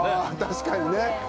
確かにね